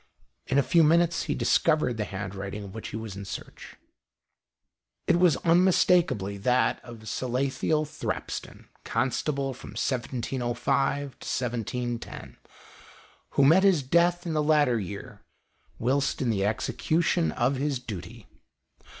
In a few minutes he discovered the handwriting of which he was in search. It waB unmistakably that of Salathiel Thrapston, constable from 1705—1710, who met his death in the latter year, whilst in the execution of his duty.